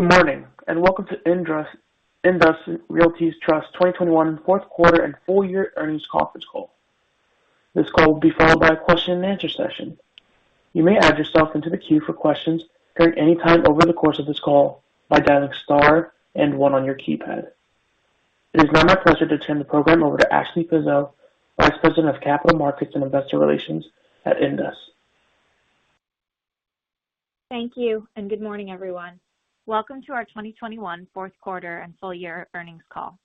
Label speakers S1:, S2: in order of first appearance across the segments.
S1: Good morning, and welcome to INDUS Realty Trust 2021 fourth quarter and full year earnings conference call. This call will be followed by a question and answer session. You may add yourself into the queue for questions at any time over the course of this call by dialing star and one on your keypad. It is now my pleasure to turn the program over to Ashley Pizzo, Vice President of Capital Markets and Investor Relations at INDUS Realty Trust.
S2: Thank you, and good morning, everyone. Welcome to our 2021 fourth quarter and full year earnings call.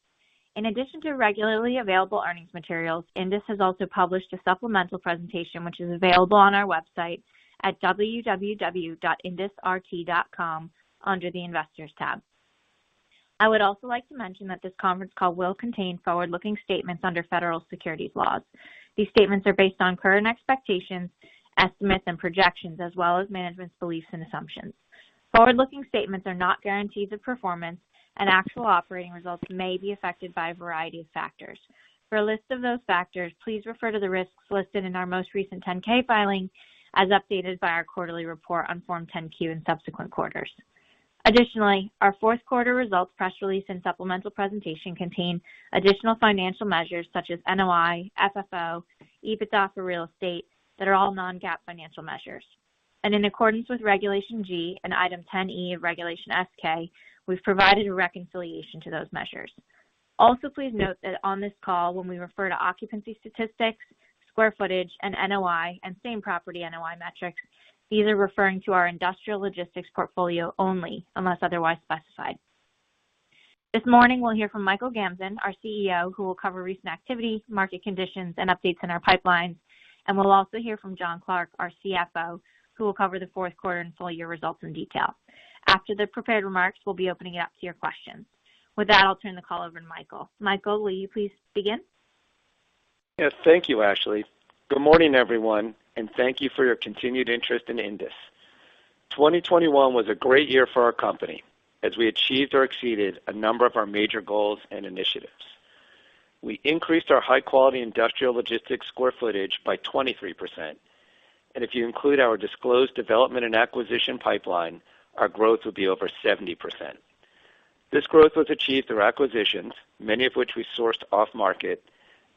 S2: In addition to regularly available earnings materials, INDUS has also published a supplemental presentation which is available on our website at www.indusrt.com under the Investors tab. I would also like to mention that this conference call will contain forward-looking statements under federal securities laws. These statements are based on current expectations, estimates, and projections, as well as management's beliefs and assumptions. Forward-looking statements are not guarantees of performance, and actual operating results may be affected by a variety of factors. For a list of those factors, please refer to the risks listed in our most recent 10-K filing, as updated by our quarterly report on form 10-Q in subsequent quarters. Additionally, our fourth quarter results press release and supplemental presentation contain additional financial measures such as NOI, FFO, EBITDA for real estate that are all non-GAAP financial measures. In accordance with Regulation G and Item 10(e) of Regulation S-K, we've provided a reconciliation to those measures. Also, please note that on this call, when we refer to occupancy statistics, square footage, and NOI and same-property NOI metrics, these are referring to our industrial logistics portfolio only, unless otherwise specified. This morning, we'll hear from Michael Gamzon, our CEO, who will cover recent activity, market conditions, and updates in our pipelines. We'll also hear from Jon Clark, our CFO, who will cover the fourth quarter and full-year results in detail. After the prepared remarks, we'll be opening it up to your questions. With that, I'll turn the call over to Michael. Michael, will you please begin?
S3: Yes. Thank you, Ashley. Good morning, everyone, and thank you for your continued interest in INDUS. 2021 was a great year for our company as we achieved or exceeded a number of our major goals and initiatives. We increased our high-quality industrial logistics square footage by 23%. If you include our disclosed development and acquisition pipeline, our growth would be over 70%. This growth was achieved through acquisitions, many of which we sourced off-market,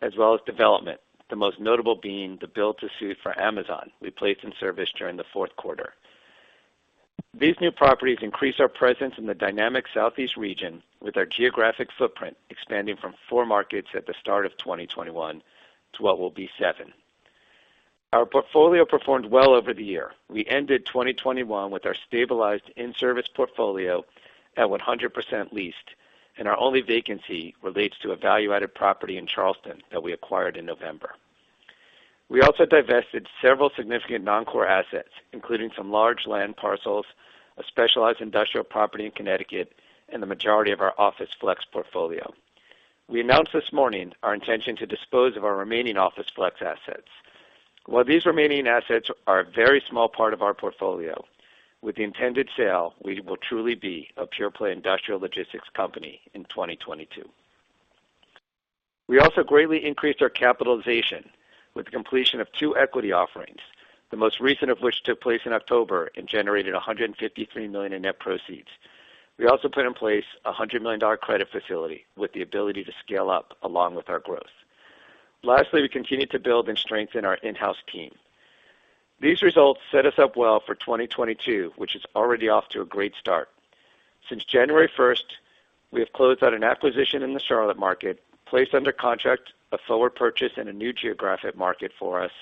S3: as well as development, the most notable being the build to suit for Amazon we placed in service during the fourth quarter. These new properties increase our presence in the dynamic Southeast region with our geographic footprint expanding from 4 markets at the start of 2021 to what will be 7. Our portfolio performed well over the year. We ended 2021 with our stabilized in-service portfolio at 100% leased, and our only vacancy relates to a value-added property in Charleston that we acquired in November. We also divested several significant non-core assets, including some large land parcels, a specialized industrial property in Connecticut, and the majority of our office flex portfolio. We announced this morning our intention to dispose of our remaining office flex assets. While these remaining assets are a very small part of our portfolio, with the intended sale, we will truly be a pure-play industrial logistics company in 2022.We also greatly increased our capitalization with the completion of two equity offerings, the most recent of which took place in October and generated $153 million in net proceeds. We also put in place a $100 million credit facility with the ability to scale up along with our growth. Lastly, we continued to build and strengthen our in-house team. These results set us up well for 2022, which is already off to a great start. Since January 1st, we have closed out an acquisition in the Charlotte market, placed under contract a forward purchase in a new geographic market for us,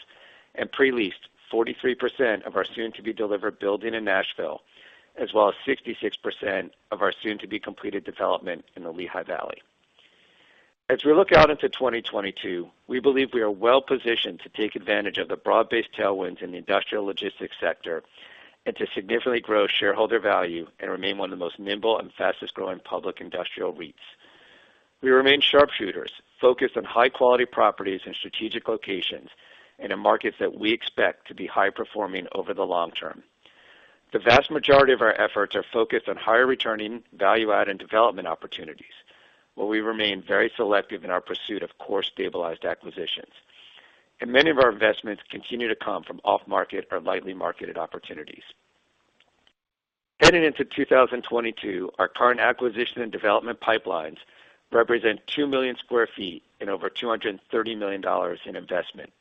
S3: and pre-leased 43% of our soon-to-be delivered building in Nashville, as well as 66% of our soon-to-be-completed development in the Lehigh Valley. As we look out into 2022, we believe we are well positioned to take advantage of the broad-based tailwinds in the industrial logistics sector and to significantly grow shareholder value and remain one of the most nimble and fastest-growing public industrial REITs. We remain sharpshooters, focused on high-quality properties in strategic locations and in markets that we expect to be high performing over the long term. The vast majority of our efforts are focused on higher returning, value-add, and development opportunities, while we remain very selective in our pursuit of core stabilized acquisitions. Many of our investments continue to come from off-market or lightly marketed opportunities. Heading into 2022, our current acquisition and development pipelines represent 2 million sq ft and over $230 million in investment.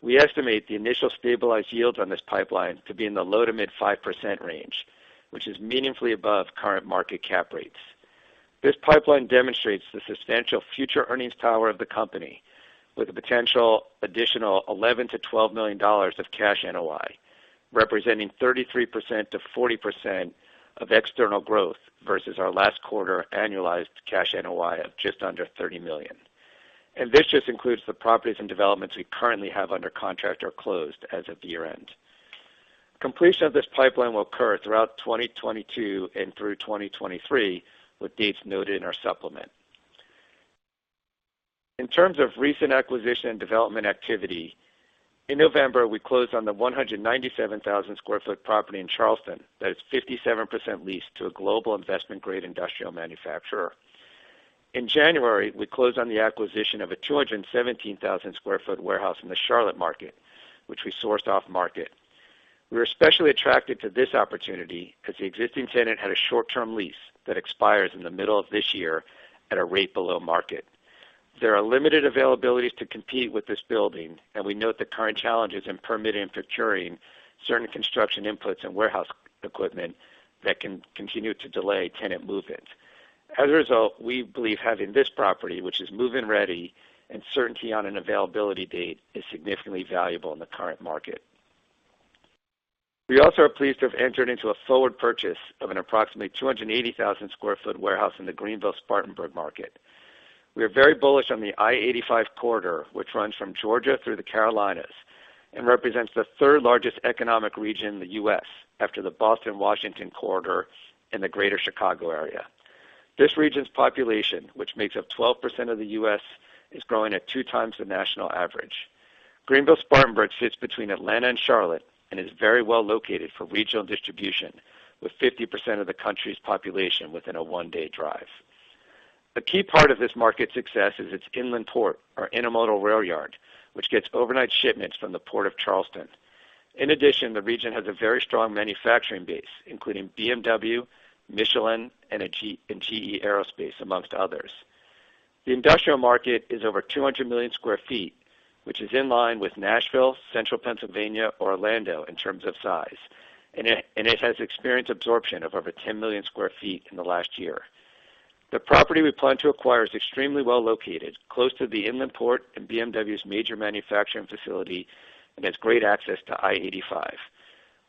S3: We estimate the initial stabilized yields on this pipeline to be in the low- to mid-5% range, which is meaningfully above current market cap rates. This pipeline demonstrates the substantial future earnings power of the company, with a potential additional $11 million-$12 million of cash NOI, representing 33%-40% of external growth versus our last quarter annualized cash NOI of just under $30 million. This just includes the properties and developments we currently have under contract or closed as of the year-end. Completion of this pipeline will occur throughout 2022 and through 2023, with dates noted in our supplement. In terms of recent acquisition and development activity, in November, we closed on the 197,000 sq ft property in Charleston that is 57% leased to a global investment-grade industrial manufacturer. In January, we closed on the acquisition of a 217,000 sq ft warehouse in the Charlotte market, which we sourced off-market. We were especially attracted to this opportunity because the existing tenant had a short-term lease that expires in the middle of this year at a rate below market. There are limited availabilities to compete with this building, and we note the current challenges in permitting and procuring certain construction inputs and warehouse equipment that can continue to delay tenant move-ins. As a result, we believe having this property, which is move-in ready and certainty on an availability date, is significantly valuable in the current market. We also are pleased to have entered into a forward purchase of an approximately 280,000 sq ft warehouse in the Greenville-Spartanburg market. We are very bullish on the I-85 corridor, which runs from Georgia through the Carolinas and represents the third-largest economic region in the U.S. after the Boston-Washington corridor in the Greater Chicago area. This region's population, which makes up 12% of the U.S., is growing at two times the national average. Greenville-Spartanburg sits between Atlanta and Charlotte and is very well located for regional distribution, with 50% of the country's population within a one-day drive. A key part of this market success is its inland port, our intermodal rail yard, which gets overnight shipments from the Port of Charleston. In addition, the region has a very strong manufacturing base, including BMW, Michelin, and GE Aviation, among others. The industrial market is over 200 million sq ft, which is in line with Nashville, Central Pennsylvania or Orlando in terms of size, and it has experienced absorption of over 10 million sq ft in the last year. The property we plan to acquire is extremely well located, close to the inland port and BMW's major manufacturing facility, and has great access to I-85.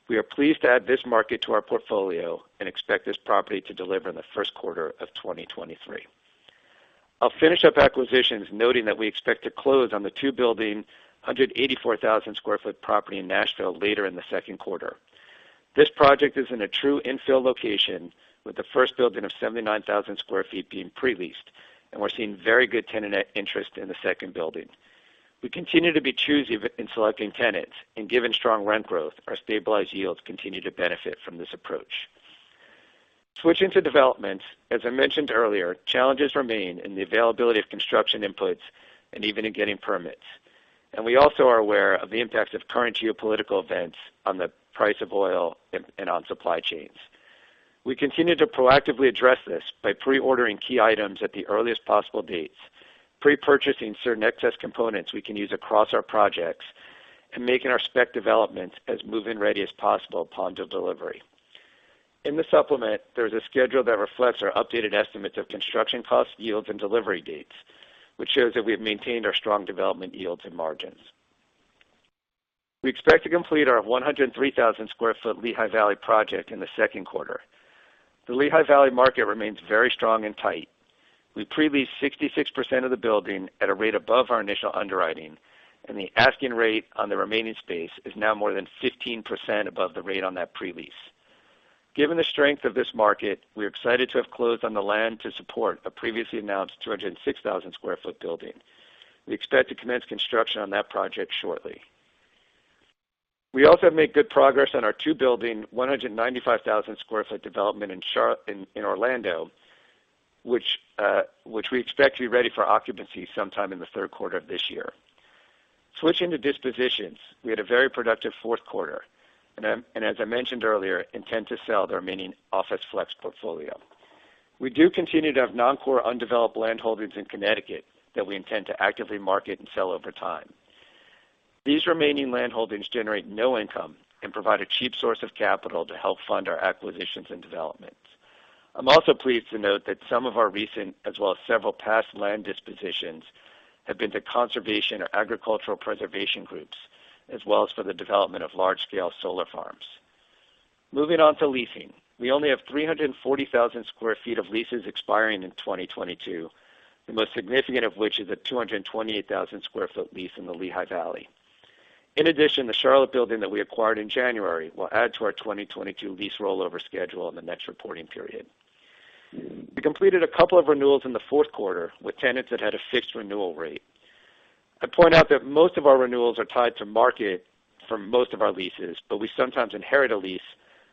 S3: We are pleased to add this market to our portfolio and expect this property to deliver in the first quarter of 2023. I'll finish up acquisitions, noting that we expect to close on the two-building, 184,000 sq ft property in Nashville later in the second quarter. This project is in a true infill location, with the first building of 79,000 sq ft being pre-leased, and we're seeing very good tenant interest in the second building. We continue to be choosy in selecting tenants, and given strong rent growth, our stabilized yields continue to benefit from this approach. Switching to developments, as I mentioned earlier, challenges remain in the availability of construction inputs and even in getting permits. We also are aware of the impact of current geopolitical events on the price of oil and on supply chains. We continue to proactively address this by pre-ordering key items at the earliest possible dates, pre-purchasing certain excess components we can use across our projects, and making our spec developments as move-in ready as possible upon delivery. In the supplement, there is a schedule that reflects our updated estimates of construction costs, yields, and delivery dates, which shows that we have maintained our strong development yields and margins. We expect to complete our 103,000 sq ft Lehigh Valley project in the second quarter. The Lehigh Valley market remains very strong and tight. We pre-leased 66% of the building at a rate above our initial underwriting, and the asking rate on the remaining space is now more than 15% above the rate on that pre-lease. Given the strength of this market, we're excited to have closed on the land to support a previously announced 206,000 sq ft building. We expect to commence construction on that project shortly. We also made good progress on our two-building, 195,000 sq ft development in Orlando, which we expect to be ready for occupancy sometime in the third quarter of this year. Switching to dispositions, we had a very productive fourth quarter. As I mentioned earlier, we intend to sell our remaining office flex portfolio. We do continue to have non-core undeveloped landholdings in Connecticut that we intend to actively market and sell over time. These remaining landholdings generate no income and provide a cheap source of capital to help fund our acquisitions and developments. I'm also pleased to note that some of our recent as well as several past land dispositions have been to conservation or agricultural preservation groups, as well as for the development of large-scale solar farms. Moving on to leasing. We only have 340,000 sq ft of leases expiring in 2022, the most significant of which is a 228,000 sq ft lease in the Lehigh Valley. In addition, the Charlotte building that we acquired in January will add to our 2022 lease rollover schedule in the next reporting period. We completed a couple of renewals in the fourth quarter with tenants that had a fixed renewal rate. I point out that most of our renewals are tied to market for most of our leases, but we sometimes inherit a lease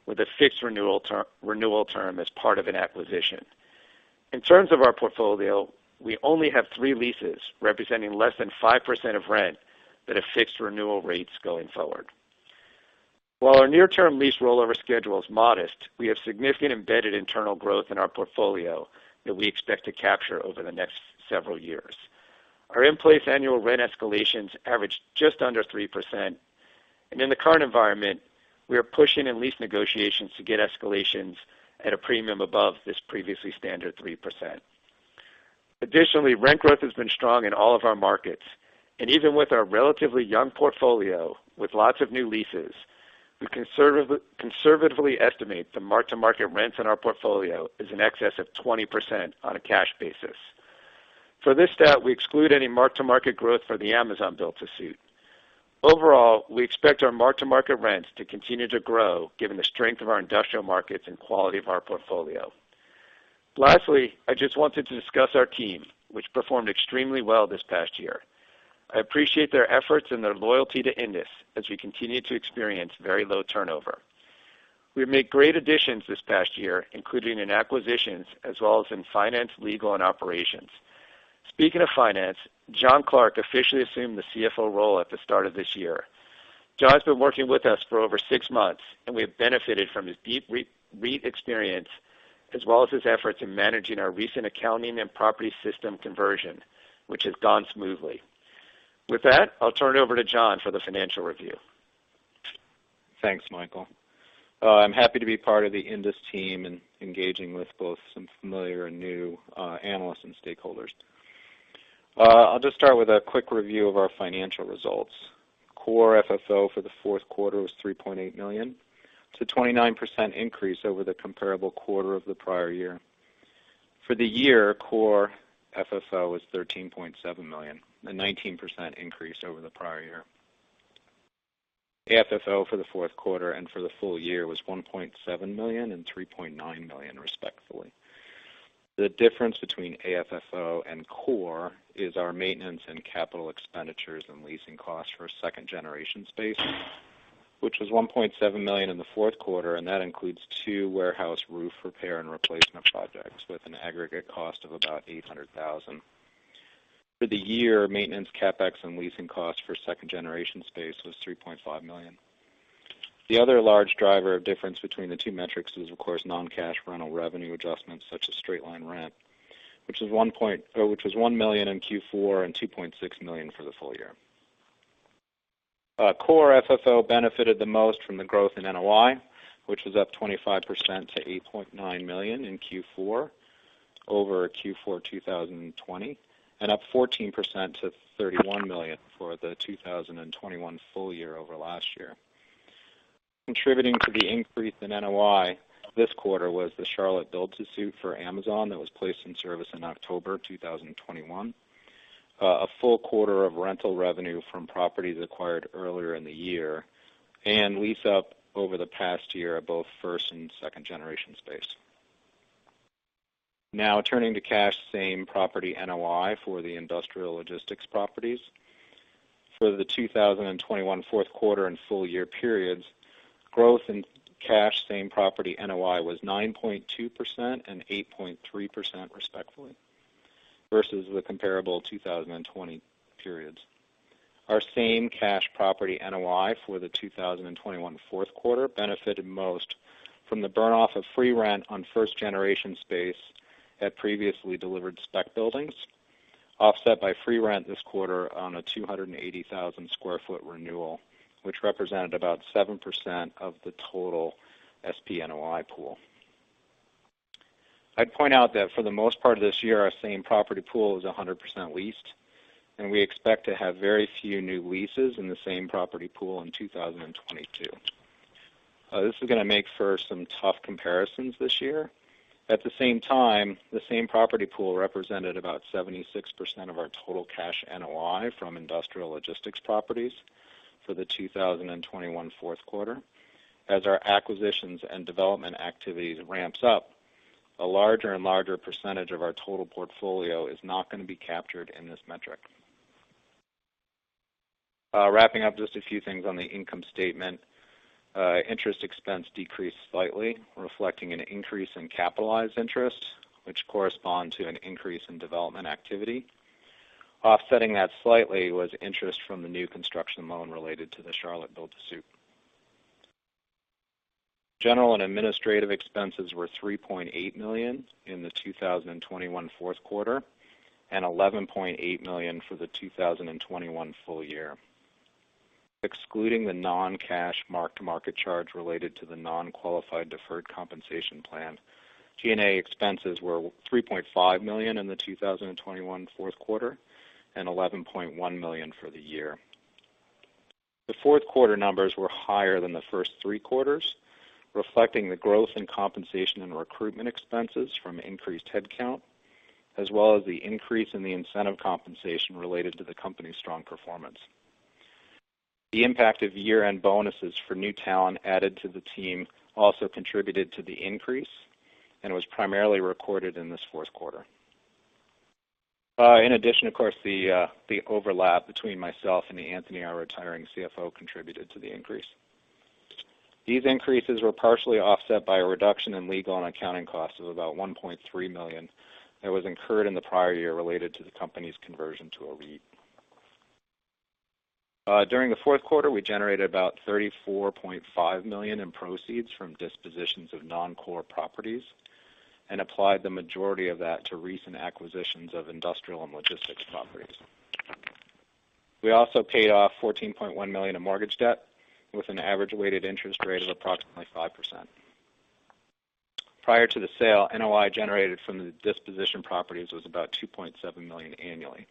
S3: with a fixed renewal term as part of an acquisition. In terms of our portfolio, we only have three leases representing less than 5% of rent that have fixed renewal rates going forward. While our near-term lease rollover schedule is modest, we have significant embedded internal growth in our portfolio that we expect to capture over the next several years. Our in-place annual rent escalations average just under 3%. In the current environment, we are pushing in lease negotiations to get escalations at a premium above this previously standard 3%. Additionally, rent growth has been strong in all of our markets. Even with our relatively young portfolio with lots of new leases, we conservatively estimate the mark-to-market rents in our portfolio is in excess of 20% on a cash basis. For this stat, we exclude any mark-to-market growth for the Amazon build-to-suit. Overall, we expect our mark-to-market rents to continue to grow given the strength of our industrial markets and quality of our portfolio. Lastly, I just wanted to discuss our team, which performed extremely well this past year. I appreciate their efforts and their loyalty to INDUS as we continue to experience very low turnover. We've made great additions this past year, including in acquisitions as well as in finance, legal, and operations. Speaking of finance, Jon Clark officially assumed the CFO role at the start of this year. Jon's been working with us for over six months, and we have benefited from his deep REIT experience, as well as his efforts in managing our recent accounting and property system conversion, which has gone smoothly. With that, I'll turn it over to Jon for the financial review.
S4: Thanks, Michael. I'm happy to be part of the INDUS team and engaging with both some familiar and new analysts and stakeholders. I'll just start with a quick review of our financial results. Core FFO for the fourth quarter was $3.8 million. It's a 29% increase over the comparable quarter of the prior year. For the year, Core FFO was $13.7 million, a 19% increase over the prior year. AFFO for the fourth quarter and for the full year was $1.7 million and $3.9 million, respectively. The difference between AFFO and core is our maintenance and capital expenditures and leasing costs for second generation space, which was $1.7 million in the fourth quarter, and that includes two warehouse roof repair and replacement projects with an aggregate cost of about $800,000. For the year, maintenance CapEx and leasing costs for second generation space was $3.5 million. The other large driver of difference between the two metrics is, of course, non-cash rental revenue adjustments, such as straight-line rent, which was $1 million in Q4 and $2.6 million for the full year. Core FFO benefited the most from the growth in NOI, which was up 25% - $8.9 million in Q4 over Q4 2020, and up 14% - $31 million for the 2021 full year over last year. Contributing to the increase in NOI this quarter was the Charlotte build-to-suit for Amazon that was placed in service in October 2021. A full quarter of rental revenue from properties acquired earlier in the year and lease up over the past year of both first and second generation space. Now turning to cash same-property NOI for the industrial logistics properties. For the 2021 fourth quarter and full year periods, growth in cash same-property NOI was 9.2% and 8.3%, respectively, versus the comparable 2020 periods. Our same-cash property NOI for the 2021 fourth quarter benefited most from the burn-off of free rent on first-generation space at previously delivered spec buildings, offset by free rent this quarter on a 280,000 sq ft renewal, which represented about 7% of the total SPNOI pool. I'd point out that for the most part of this year, our same-property pool is 100% leased, and we expect to have very few new leases in the same-property pool in 2022. This is gonna make for some tough comparisons this year. At the same time, the same-property pool represented about 76% of our total cash NOI from industrial logistics properties for the 2021 fourth quarter. As our acquisitions and development activities ramps up, a larger and larger percentage of our total portfolio is not gonna be captured in this metric. Wrapping up just a few things on the income statement. Interest expense decreased slightly, reflecting an increase in capitalized interest, which correspond to an increase in development activity. Offsetting that slightly was interest from the new construction loan related to the Charlotte build-to-suit. General and administrative expenses were $3.8 million in the 2021 fourth quarter and $11.8 million for the 2021 full year. Excluding the non-cash mark-to-market charge related to the non-qualified deferred compensation plan, G&A expenses were $3.5 million in the 2021 fourth quarter and $11.1 million for the year. The fourth quarter numbers were higher than the first three quarters, reflecting the growth in compensation and recruitment expenses from increased headcount, as well as the increase in the incentive compensation related to the company's strong performance. The impact of year-end bonuses for new talent added to the team also contributed to the increase and was primarily recorded in this fourth quarter. In addition, of course, the overlap between myself and Anthony, our retiring CFO, contributed to the increase. These increases were partially offset by a reduction in legal and accounting costs of about $1.3 million that was incurred in the prior year related to the company's conversion to a REIT. During the fourth quarter, we generated about $34.5 million in proceeds from dispositions of non-core properties and applied the majority of that to recent acquisitions of industrial and logistics properties. We also paid off $14.1 million in mortgage debt with an average weighted interest rate of approximately 5%. Prior to the sale, NOI generated from the disposition properties was about $2.7 million annually.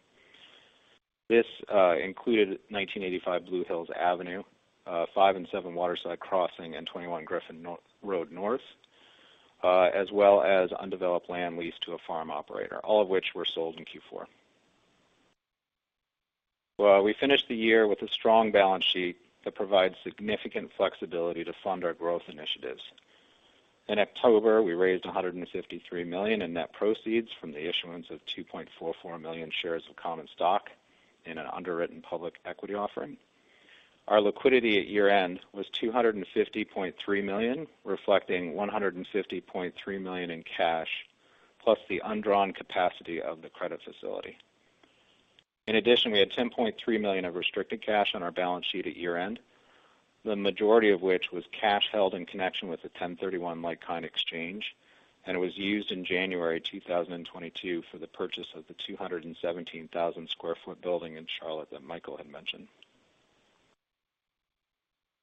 S4: This included 1985 Blue Hills Avenue, five and seven Waterside Crossing, and 21 Griffin Road North, as well as undeveloped land leased to a farm operator, all of which were sold in Q4. We finished the year with a strong balance sheet that provides significant flexibility to fund our growth initiatives. In October, we raised $153 million in net proceeds from the issuance of 2.44 million shares of common stock in an underwritten public equity offering. Our liquidity at year-end was $250.3 million, reflecting $150.3 million in cash, plus the undrawn capacity of the credit facility. In addition, we had $10.3 million of restricted cash on our balance sheet at year-end, the majority of which was cash held in connection with the 1031 like-kind exchange, and it was used in January 2022 for the purchase of the 217,000 sq ft building in Charlotte that Michael had mentioned.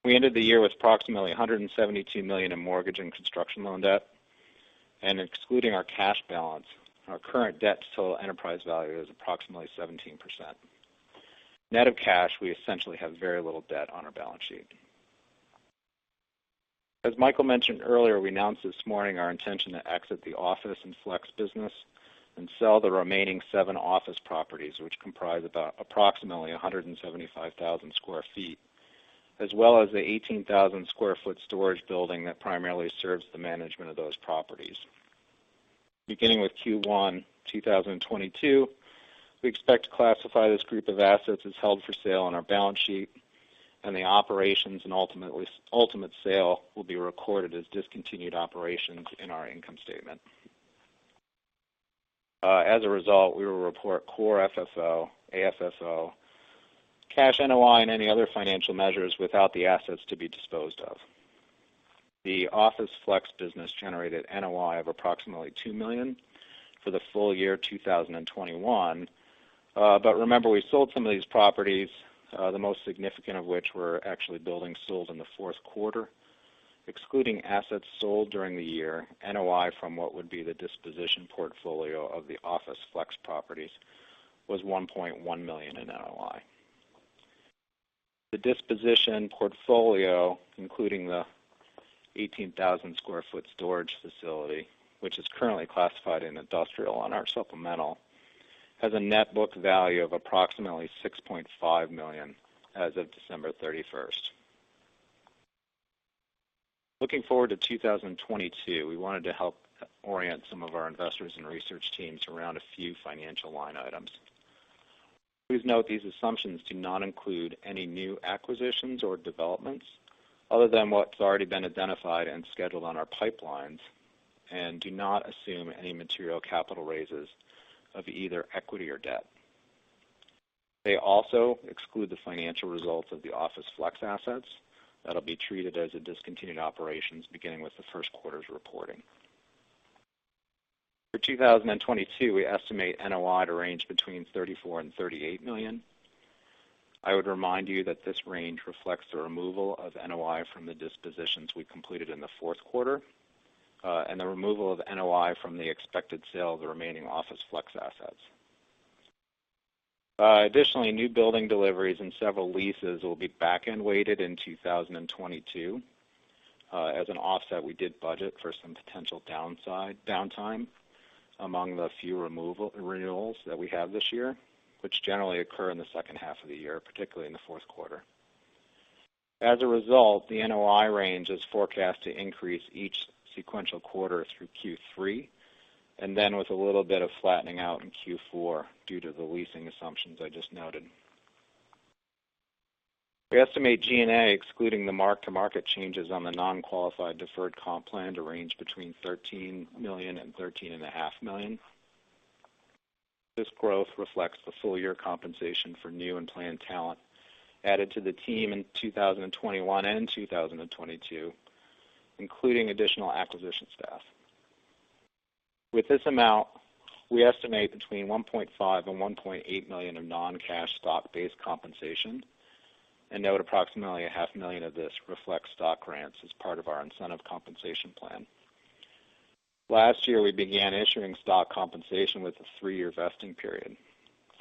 S4: We ended the year with approximately $172 million in mortgage and construction loan debt. Excluding our cash balance, our current debt to total enterprise value is approximately 17%. Net of cash, we essentially have very little debt on our balance sheet. As Michael mentioned earlier, we announced this morning our intention to exit the office and flex business and sell the remaining seven office properties, which comprise about approximately 175,000 sq ft, as well as the 18,000 sq ft storage building that primarily serves the management of those properties. Beginning with Q1 2022, we expect to classify this group of assets as held for sale on our balance sheet and the operations and ultimate sale will be recorded as discontinued operations in our income statement. As a result, we will report Core FFO, AFFO, cash NOI, and any other financial measures without the assets to be disposed of. The office flex business generated NOI of approximately $2 million for the full year 2021. Remember, we sold some of these properties, the most significant of which were actually buildings sold in the fourth quarter. Excluding assets sold during the year, NOI from what would be the disposition portfolio of the office flex properties was $1.1 million in NOI. The disposition portfolio, including the 18,000 sq ft storage facility, which is currently classified in industrial on our supplemental, has a net book value of approximately $6.5 million as of December 31st. Looking forward to 2022, we wanted to help orient some of our investors and research teams around a few financial line items. Please note, these assumptions do not include any new acquisitions or developments other than what's already been identified and scheduled on our pipelines and do not assume any material capital raises of either equity or debt. They also exclude the financial results of the office flex assets that'll be treated as a discontinued operations beginning with the first quarter's reporting. For 2022, we estimate NOI to range between $34 million and $38 million. I would remind you that this range reflects the removal of NOI from the dispositions we completed in the fourth quarter, and the removal of NOI from the expected sale of the remaining office flex assets. Additionally, new building deliveries and several leases will be back-end weighted in 2022. As an offset, we did budget for some potential downtime among the few renewals that we have this year, which generally occur in the second half of the year, particularly in the fourth quarter. As a result, the NOI range is forecast to increase each sequential quarter through Q3, and then with a little bit of flattening out in Q4 due to the leasing assumptions I just noted. We estimate G&A, excluding the mark-to-market changes on the non-qualified deferred comp plan, to range between $13 million and $13.5 million. This growth reflects the full-year compensation for new and planned talent added to the team in 2021 and 2022, including additional acquisition staff. With this amount, we estimate between $1.5 million and $1.8 million of non-cash stock-based compensation, and note approximately a half million dollars of this reflects stock grants as part of our incentive compensation plan. Last year, we began issuing stock compensation with a 3-year vesting period,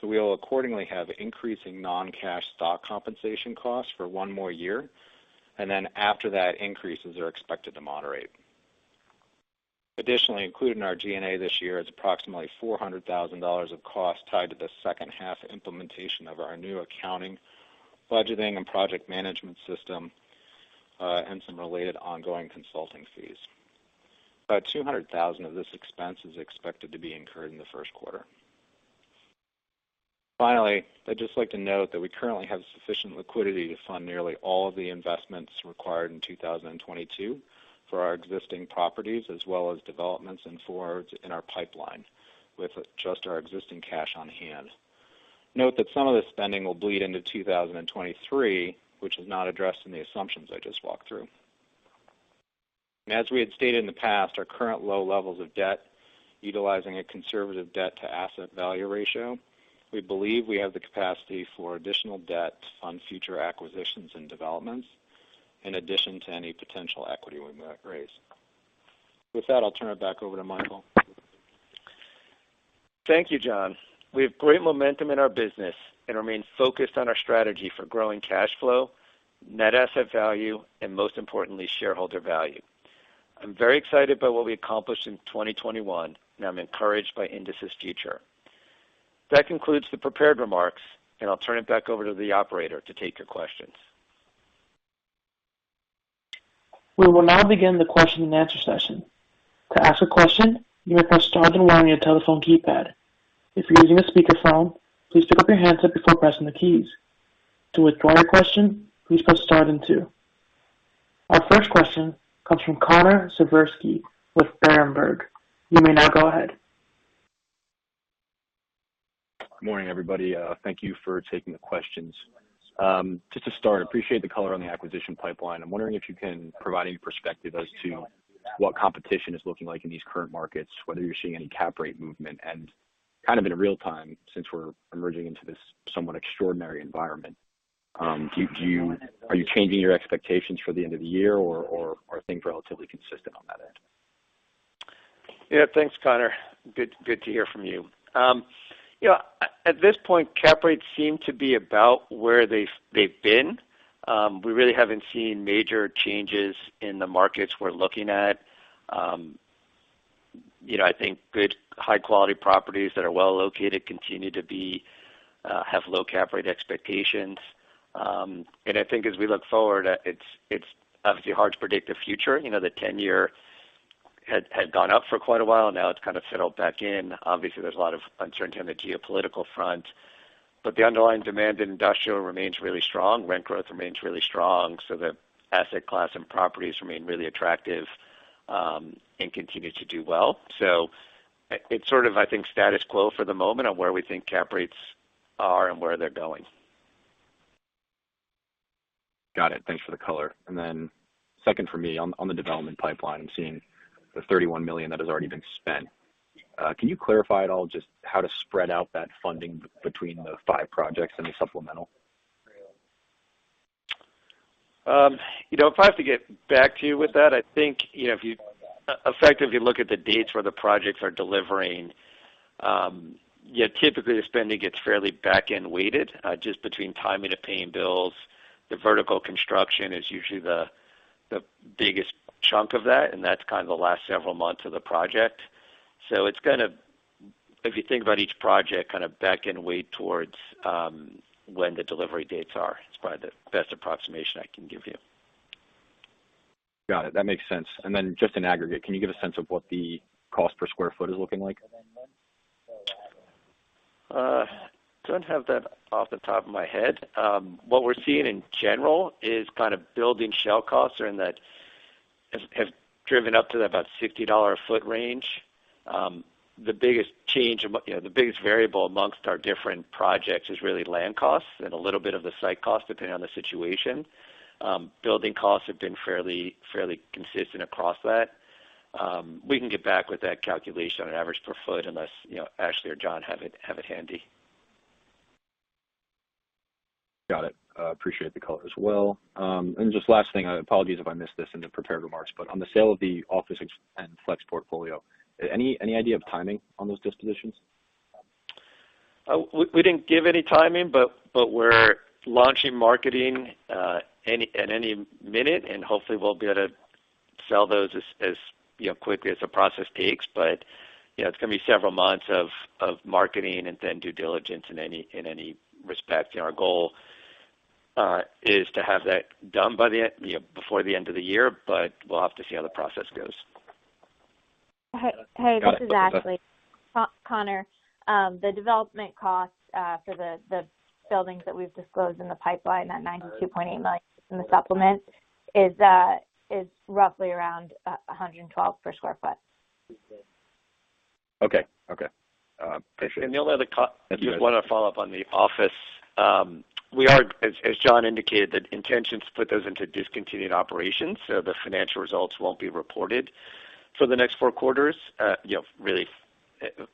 S4: so we will accordingly have increasing non-cash stock compensation costs for one more year. After that, increases are expected to moderate. Additionally, included in our G&A this year is approximately $400,000 of costs tied to the second half implementation of our new accounting, budgeting, and project management system, and some related ongoing consulting fees. About $200,000 of this expense is expected to be incurred in the first quarter. Finally, I'd just like to note that we currently have sufficient liquidity to fund nearly all of the investments required in 2022 for our existing properties as well as developments and forwards in our pipeline with just our existing cash on hand. Note that some of the spending will bleed into 2023, which is not addressed in the assumptions I just walked through. As we had stated in the past, our current low levels of debt, utilizing a conservative debt-to-asset value ratio, we believe we have the capacity for additional debt to fund future acquisitions and developments in addition to any potential equity we might raise. With that, I'll turn it back over to Michael.
S3: Thank you, John. We have great momentum in our business and remain focused on our strategy for growing cash flow, net asset value, and most importantly, shareholder value. I'm very excited by what we accomplished in 2021, and I'm encouraged by Indus' future. That concludes the prepared remarks, and I'll turn it back over to the operator to take your questions.
S1: We will now begin the question and answer session. To ask a question, you may press star then one on your telephone keypad. If you're using a speakerphone, please pick up your handset before pressing the keys. To withdraw your question, please press star then two. Our first question comes from Connor Siversky with Berenberg. You may now go ahead.
S5: Good morning, everybody. Thank you for taking the questions. Just to start, I appreciate the color on the acquisition pipeline. I'm wondering if you can provide any perspective as to what competition is looking like in these current markets, whether you're seeing any cap rate movement and kind of in real time, since we're emerging into this somewhat extraordinary environment, are you changing your expectations for the end of the year or are things relatively consistent on that end?
S3: Yeah. Thanks, Connor. Good to hear from you. You know, at this point, cap rates seem to be about where they've been. We really haven't seen major changes in the markets we're looking at. You know, I think good high quality properties that are well located continue to have low cap rate expectations. I think as we look forward, it's obviouslyhard to predict the future. You know, the 10-year had gone up for quite a while, now it's kind of settled back in. Obviously, there's a lot of uncertainty on the geopolitical front, but the underlying demand in industrial remains really strong. Rent growth remains really strong, so the asset class and properties remain really attractive, and continue to do well. It's sort of, I think, status quo for the moment on where we think cap rates are and where they're going.
S5: Got it. Thanks for the color. Second for me on the development pipeline, I'm seeing the $31 million that has already been spent. Can you clarify at all just how to spread out that funding between the five projects in the supplemental?
S3: You know, if I have to get back to you with that. I think, you know, if you effectively look at the dates where the projects are delivering, typically the spending gets fairly back-end weighted, just between timing of paying bills. The vertical construction is usually the biggest chunk of that, and that's kind of the last several months of the project. It's gonna if you think about each project kind of back-end weighted towards when the delivery dates are, it's probably the best approximation I can give you.
S5: Got it. That makes sense. Just in aggregate, can you give a sense of what the cost per sq ft is looking like?
S3: Don't have that off the top of my head. What we're seeing in general is kind of building shell costs have driven up to about $60 a foot range. The biggest change, you know, the biggest variable amongst our different projects is really land costs and a little bit of the site cost, depending on the situation. Building costs have been fairly consistent across that. We can get back with that calculation on an average per foot unless, you know, Ashley or John have it handy.
S5: Got it. Appreciate the color as well. Just last thing, apologies if I missed this in the prepared remarks, but on the sale of the office and flex portfolio, any idea of timing on those dispositions?
S3: We didn't give any timing, but we're launching marketing at any minute, and hopefully we'll be able to sell those as you know, quickly as the process takes. You know, it's gonna be several months of marketing and then due diligence in any respect. You know, our goal is to have that done by the end, you know, before the end of the year, but we'll have to see how the process goes.
S2: Hey, this is Ashley.
S5: Got it.
S2: Connor. The development costs for the buildings that we've disclosed in the pipeline, that $92.8 million in the supplement, is roughly around 112 per sq ft.
S5: Okay. Appreciate it.
S3: The only other just wanna follow up on the office. We are, as Jon indicated, the intention to put those into discontinued operations, so the financial results won't be reported for the next four quarters, you know, really,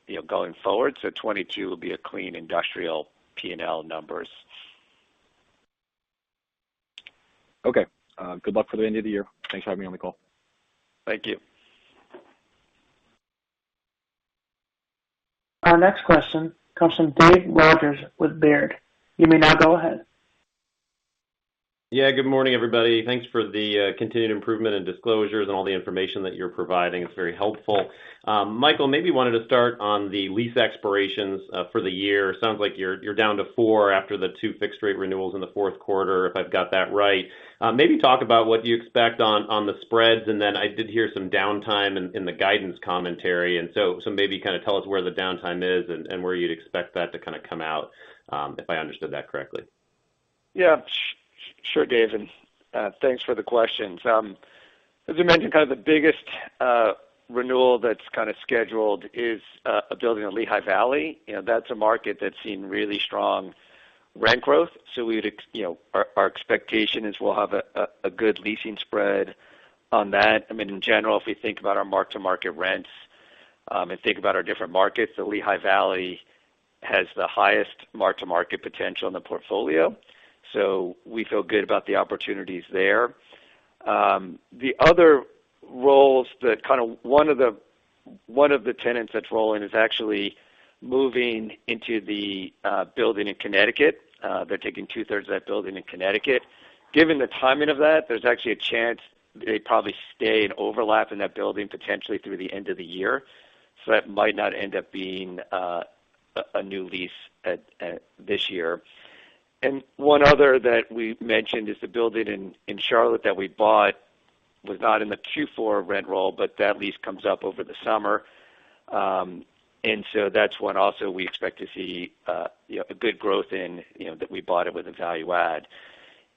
S3: you know, going forward. 2022 will be a clean industrial P&L numbers.
S5: Okay. Good luck for the end of the year. Thanks for having me on the call.
S3: Thank you.
S1: Our next question comes from Dave Rodgers with Baird. You may now go ahead.
S6: Yeah. Good morning, everybody. Thanks for the continued improvement and disclosures and all the information that you're providing. It's very helpful. Michael, maybe wanted to start on the lease expirations for the year. Sounds like you're down to four after the two fixed rate renewals in the fourth quarter, if I've got that right. Maybe talk about what you expect on the spreads, and then I did hear some downtime in the guidance commentary. Maybe kind of tell us where the downtime is and where you'd expect that to kind of come out, if I understood that correctly.
S3: Sure, Dave, thanks for the questions. As you mentioned, the biggest renewal that's scheduled is a building on Lehigh Valley. You know, that's a market that's seen really strong rent growth. We'd you know, our expectation is we'll have a good leasing spread on that. I mean, in general, if we think about our mark-to-market rents and think about our different markets, the Lehigh Valley has the highest mark-to-market potential in the portfolio, so we feel good about the opportunities there. The other rolls that kind of. One of the tenants that's rolling is actually moving into the building in Connecticut. They're taking two-thirds of that building in Connecticut. Given the timing of that, there's actually a chance they probably stay and overlap in that building potentially through the end of the year. That might not end up being a new lease in this year. One other that we mentioned is the building in Charlotte that we bought was not in the Q4 rent roll, but that lease comes up over the summer. That's when also we expect to see a good growth in, you know, that we bought it with a value add.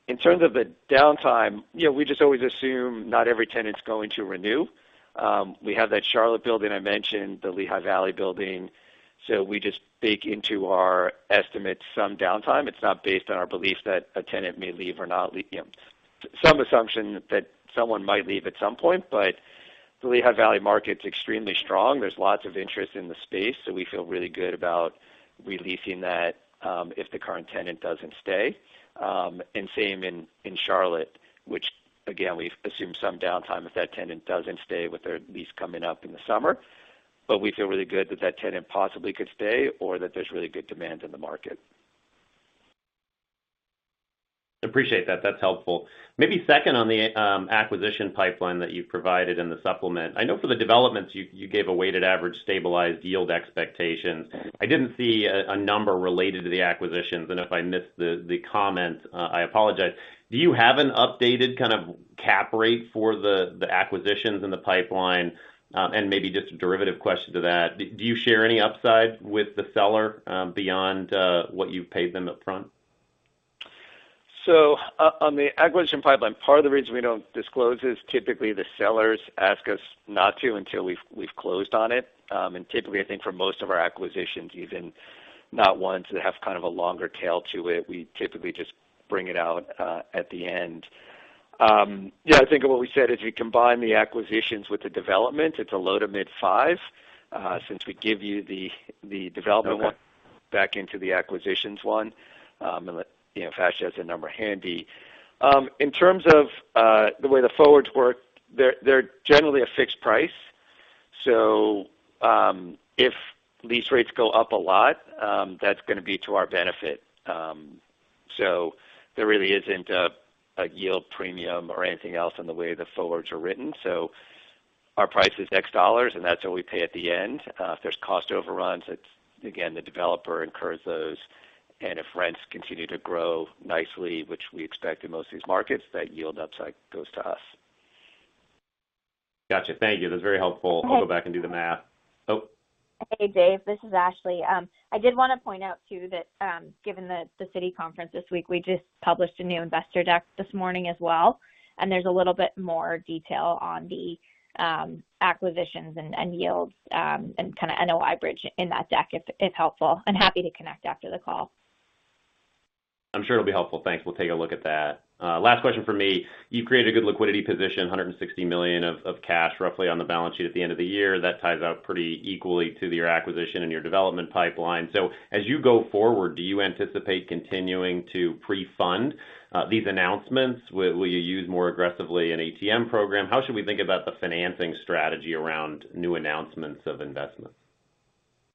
S3: In terms of the downtime, you know, we just always assume not every tenant's going to renew. We have that Charlotte building I mentioned, the Lehigh Valley building. We just bake into our estimates some downtime. It's not based on our belief that a tenant may leave or, you know, some assumption that someone might leave at some point. The Lehigh Valley market's extremely strong. There's lots of interest in the space, so we feel really good about re-leasing that, if the current tenant doesn't stay. Same in Charlotte, which again, we've assumed some downtime if that tenant doesn't stay with their lease coming up in the summer. We feel really good that that tenant possibly could stay or that there's really good demand in the market.
S6: Appreciate that. That's helpful. Maybe second on the acquisition pipeline that you provided in the supplement. I know for the developments you gave a weighted average stabilized yield expectation. I didn't see a number related to the acquisitions, and if I missed the comments, I apologize. Do you have an updated kind of cap rate for the acquisitions in the pipeline? Maybe just a derivative question to that, do you share any upside with the seller beyond what you've paid them upfront?
S3: On the acquisition pipeline, part of the reason we don't disclose is typically the sellers ask us not to until we've closed on it. Typically I think for most of our acquisitions, even not ones that have kind of a longer tail to it, we typically just bring it out at the end. I think what we said is we combine the acquisitions with the development. It's a low-to-mid five, since we give you the development back into the acquisitions one, and let you know if Ashley has the number handy. In terms of the way the forwards work, they're generally a fixed price. If lease rates go up a lot, that's gonna be to our benefit. There really isn't a yield premium or anything else in the way the forwards are written. Our price is $X, and that's what we pay at the end. If there's cost overruns, it's again, the developer incurs those. If rents continue to grow nicely, which we expect in most of these markets, that yield upside goes to us.
S6: Gotcha. Thank you. That's very helpful.
S2: Hey-
S6: I'll go back and do the math. Oh.
S2: Hey, Dave, this is Ashley. I did wanna point out too that, given the Citi conference this week, we just published a new investor deck this morning as well, and there's a little bit more detail on the acquisitions and yields, and kinda NOI bridge in that deck if helpful. I'm happy to connect after the call.
S6: I'm sure it'll be helpful. Thanks. We'll take a look at that. Last question from me. You've created a good liquidity position, $160 million of cash roughly on the balance sheet at the end of the year. That ties out pretty equally to your acquisition and your development pipeline. As you go forward, do you anticipate continuing to pre-fund these announcements? Will you use more aggressively an ATM program? How should we think about the financing strategy around new announcements of investments?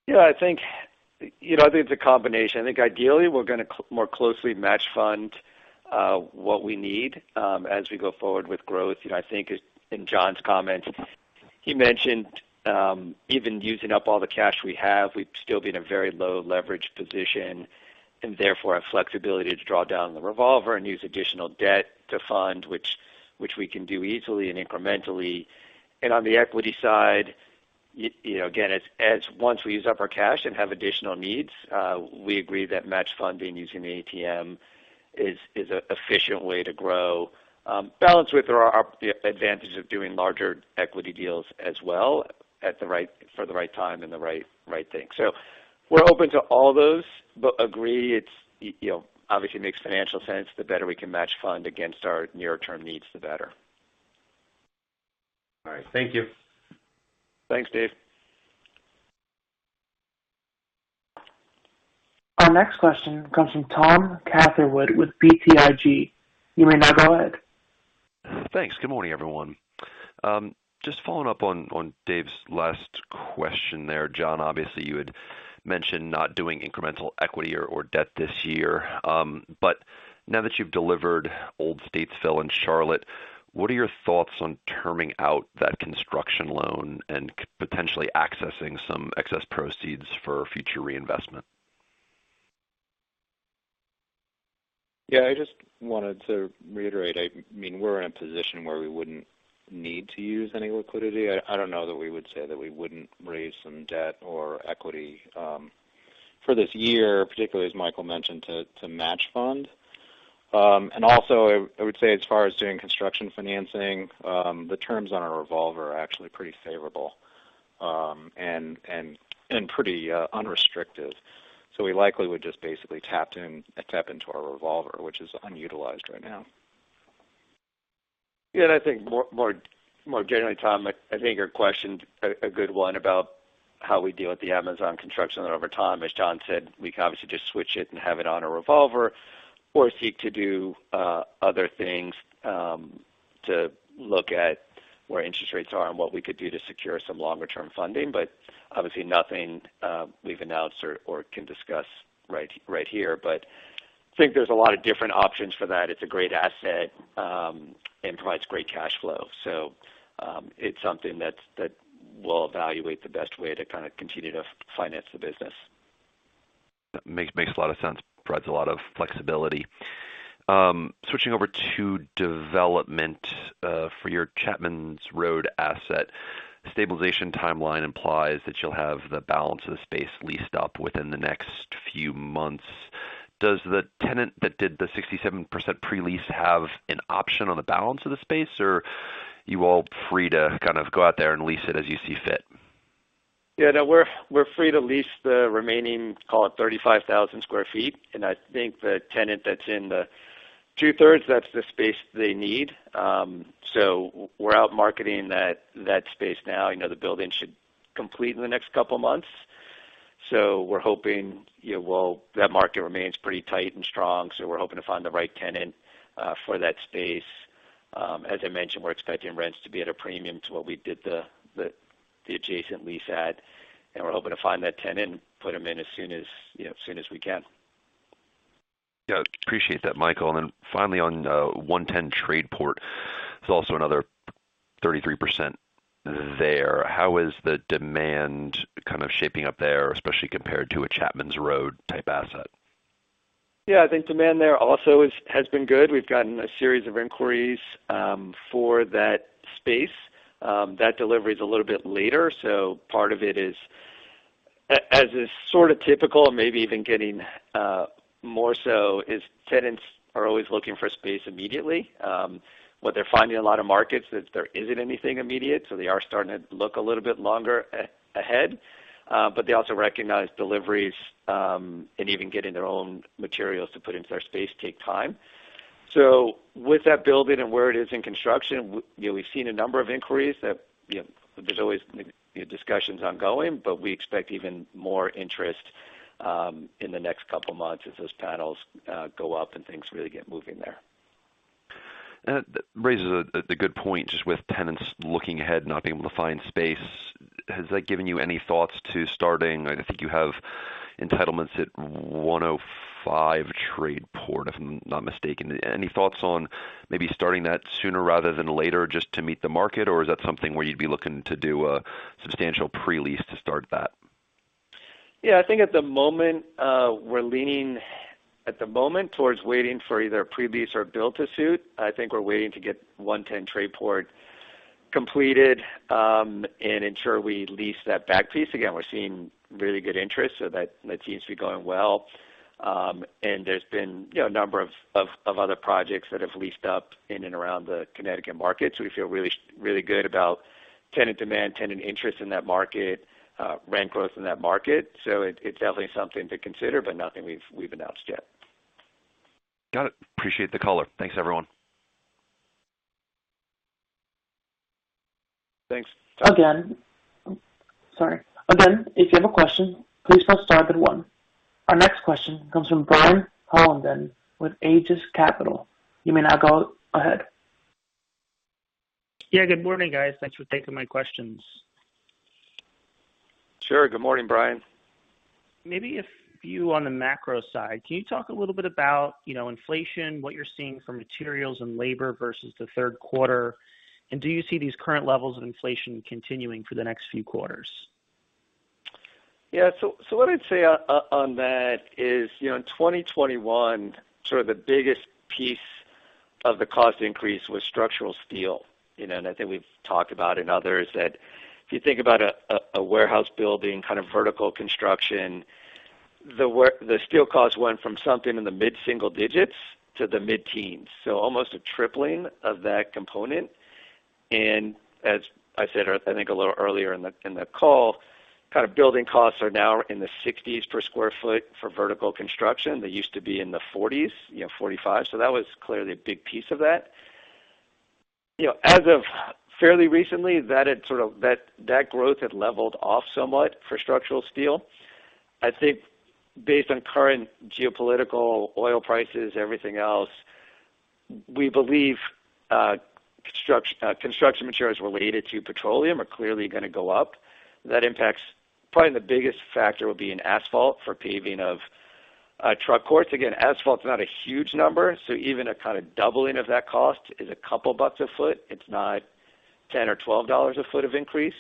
S3: Yeah, I think, you know, I think it's a combination. I think ideally we're gonna more closely match fund what we need as we go forward with growth. You know, I think in John's comments, he mentioned even using up all the cash we have, we'd still be in a very low leverage position and therefore have flexibility to draw down the revolver and use additional debt to fund, which we can do easily and incrementally. On the equity side, you know, again, as once we use up our cash and have additional needs, we agree that match funding using the ATM is a efficient way to grow. Balanced with the advantage of doing larger equity deals as well at the right time and the right thing. We're open to all those but agree it's, you know, obviously makes financial sense. The better we can match fund against our near-term needs, the better.
S6: All right. Thank you.
S3: Thanks, Dave.
S1: Our next question comes from Tom Catherwood with BTIG. You may now go ahead.
S7: Thanks. Good morning, everyone. Just following up on Dave's last question there. John, obviously you had mentioned not doing incremental equity or debt this year. Now that you've delivered Old Statesville and Charlotte, what are your thoughts on terming out that construction loan and potentially accessing some excess proceeds for future reinvestment?
S4: Yeah, I just wanted to reiterate. I mean, we're in a position where we wouldn't need to use any liquidity. I don't know that we would say that we wouldn't raise some debt or equity for this year, particularly as Michael mentioned, to match fund. And also I would say as far as doing construction financing, the terms on our revolver are actually pretty favorable, and pretty unrestricted. So we likely would just basically tap into our revolver, which is unutilized right now.
S3: I think more generally, Tom, I think your question's a good one about how we deal with the Amazon construction over time. As John said, we could obviously just switch it and have it on a revolver or seek to do other things to look at where interest rates are and what we could do to secure some longer-term funding. Obviously nothing we've announced or can discuss right here. I think there's a lot of different options for that. It's a great asset and provides great cash flow. It's something we'll evaluate the best way to kind of continue to finance the business.
S7: Makes a lot of sense, provides a lot of flexibility. Switching over to development, for your Chapmans Road asset. Stabilization timeline implies that you'll have the balance of the space leased up within the next few months. Does the tenant that did the 67% pre-lease have an option on the balance of the space, or you all free to kind of go out there and lease it as you see fit?
S3: Yeah. No, we're free to lease the remaining, call it 35,000 sq ft. I think the tenant that's in the two-thirds, that's the space they need. We're out marketing that space now. I know the building should complete in the next couple of months, so we're hoping, you know, well, that market remains pretty tight and strong, so we're hoping to find the right tenant for that space. As I mentioned, we're expecting rents to be at a premium to what we did the adjacent lease at, and we're hoping to find that tenant and put them in as soon as, you know, soon as we can.
S7: Yeah, I appreciate that, Michael. Then finally on 110 TradePort, there's also another 33% there. How is the demand kind of shaping up there, especially compared to a Chapmans Road type asset?
S3: Yeah, I think demand there also has been good. We've gotten a series of inquiries for that space. That delivery is a little bit later, so part of it is, as is sort of typical and maybe even getting more so, tenants are always looking for space immediately. What they're finding in a lot of markets is there isn't anything immediate, so they are starting to look a little bit longer ahead. They also recognize deliveries and even getting their own materials to put into their space take time. With that building and where it is in construction, you know, we've seen a number of inquiries that, you know, there's always discussions ongoing, but we expect even more interest in the next couple of months as those panels go up and things really get moving there.
S7: That raises a good point, just with tenants looking ahead, not being able to find space. Has that given you any thoughts to starting? I think you have entitlements at 105 TradePort, if I'm not mistaken. Any thoughts on maybe starting that sooner rather than later just to meet the market? Or is that something where you'd be looking to do a substantial pre-lease to start that?
S3: Yeah, I think we're leaning at the moment towards waiting for either a pre-lease or build to suit. I think we're waiting to get 110 TradePort completed, and ensure we lease that back piece. Again, we're seeing really good interest, so that seems to be going well. There's been, you know, a number of other projects that have leased up in and around the Connecticut market. So we feel really, really good about tenant demand, tenant interest in that market, rent growth in that market. So it's definitely something to consider, but nothing we've announced yet.
S7: Got it. Appreciate the color. Thanks, everyone.
S3: Thanks.
S1: If you have a question, please Press Star then one. Our next question comes from Brian Hollenden with Aegis Capital. You may now go ahead.
S8: Yeah, good morning, guys. Thanks for taking my questions.
S3: Sure. Good morning, Brian.
S8: Maybe if you're on the macro side, can you talk a little bit about, you know, inflation, what you're seeing from materials and labor versus the third quarter, and do you see these current levels of inflation continuing for the next few quarters?
S3: What I'd say on that is, you know, in 2021, sort of the biggest piece of the cost increase was structural steel, you know, and I think we've talked about in others, that if you think about a warehouse building kind of vertical construction, the steel costs went from something in the mid-single digits to the mid-teens. Almost a tripling of that component. As I said, I think a little earlier in the call, kind of building costs are now in the $60s per sq ft for vertical construction. They used to be in the $40s, you know, $45. That was clearly a big piece of that. You know, as of fairly recently, that had sort of leveled off somewhat for structural steel. I think based on current geopolitical oil prices, everything else, we believe, construction materials related to petroleum are clearly gonna go up. That impacts probably the biggest factor will be in asphalt for paving of truck courts. Again, asphalt's not a huge number, so even a kind of doubling of that cost is a couple bucks a foot. It's not $10 or $12 a foot of increase.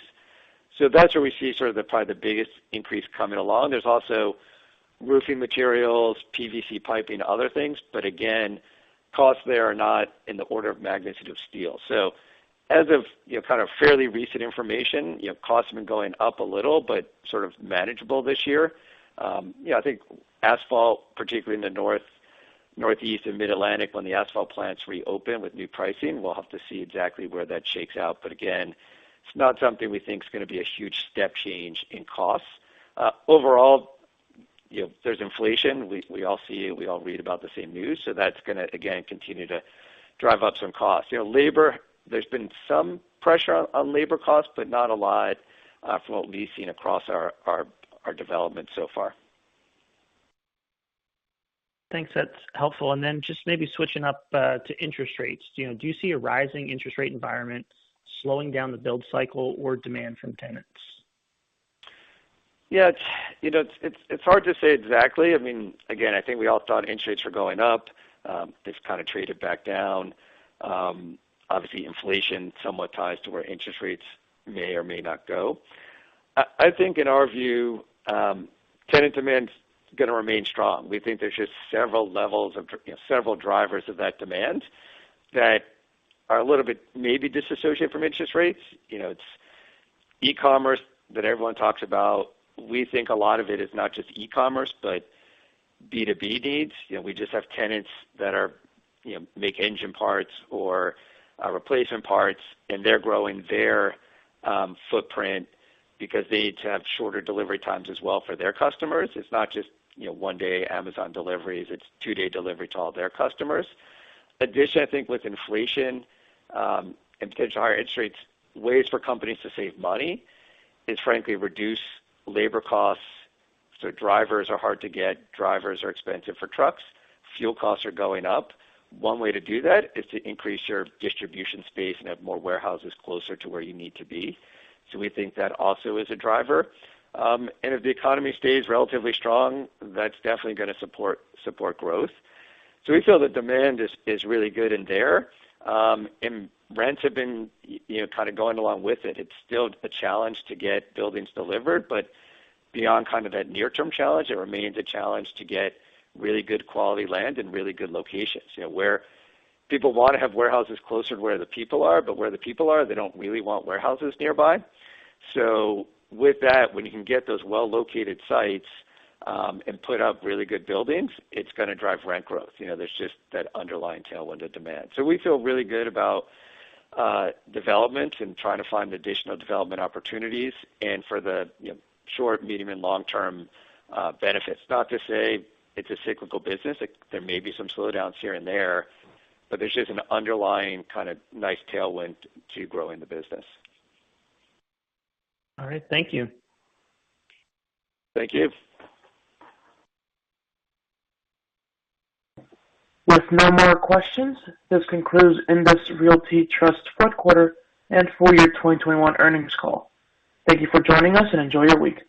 S3: That's where we see sort of the, probably the biggest increase coming along. There's also roofing materials, PVC piping, other things, but again, costs there are not in the order of magnitude of steel. As of, you know, kind of fairly recent information, you know, costs have been going up a little, but sort of manageable this year. You know, I think asphalt, particularly in the North, Northeast, and Mid-Atlantic, when the asphalt plants reopen with new pricing, we'll have to see exactly where that shakes out. But again, it's not something we think is gonna be a huge step change in costs. Overall, you know, there's inflation. We all see it. We all read about the same news. That's gonna, again, continue to drive up some costs. You know, labor, there's been some pressure on labor costs, but not a lot, from what we've seen across our development so far.
S8: Thanks. That's helpful. Just maybe switching up to interest rates. You know, do you see a rising interest rate environment slowing down the build cycle or demand from tenants?
S3: Yeah, it's, you know, hard to say exactly. I mean, again, I think we all thought interest rates were going up. It's kind of traded back down. Obviously, inflation somewhat ties to where interest rates may or may not go. I think in our view, tenant demand is gonna remain strong. We think there's just several levels of, you know, several drivers of that demand that are a little bit maybe disassociated from interest rates. You know, it's e-commerce that everyone talks about. We think a lot of it is not just e-commerce, but B2B needs. You know, we just have tenants that are, you know, make engine parts or replacement parts, and they're growing their footprint because they need to have shorter delivery times as well for their customers. It's not just, you know, one-day Amazon deliveries, it's two-day delivery to all their customers. In addition, I think with inflation and potentially higher interest rates, ways for companies to save money is frankly reduce labor costs. Drivers are hard to get. Drivers are expensive for trucks. Fuel costs are going up. One way to do that is to increase your distribution space and have more warehouses closer to where you need to be. We think that also is a driver. If the economy stays relatively strong, that's definitely gonna support growth. We feel the demand is really good in there. Rents have been, you know, kind of going along with it. It's still a challenge to get buildings delivered, but beyond kind of that near-term challenge, it remains a challenge to get really good quality land in really good locations. You know, where people wanna have warehouses closer to where the people are, but where the people are, they don't really want warehouses nearby. So with that, when you can get those well-located sites, and put up really good buildings, it's gonna drive rent growth. You know, there's just that underlying tailwind of demand. So we feel really good about development and trying to find additional development opportunities and for the, you know, short, medium, and long-term benefits. Not to say it's a cyclical business. There may be some slowdowns here and there, but there's just an underlying kind of nice tailwind to growing the business.
S1: All right. Thank you.
S3: Thank you.
S1: With no more questions, this concludes INDUS Realty Trust fourth quarter and full year 2021 earnings call. Thank you for joining us, and enjoy your week.